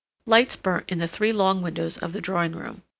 Lights burnt in the three long windows of the drawing room.